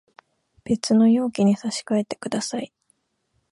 別の容器に移し替えてください